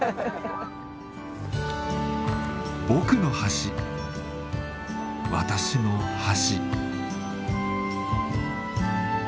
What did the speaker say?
僕の橋私の橋。